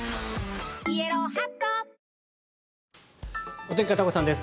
お天気、片岡さんです。